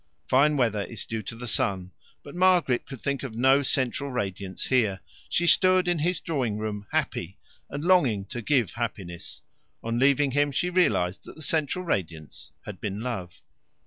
Fine weather is due to the sun, but Margaret could think of no central radiance here. She stood in his drawing room happy, and longing to give happiness. On leaving him she realized that the central radiance had been love.